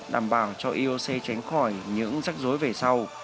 đảm bảo cho ioc tránh khỏi những rắc rối về sau